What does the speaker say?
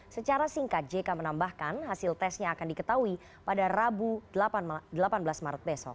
secara singkat jk menambahkan hasil tesnya akan diketahui pada rabu delapan belas maret besok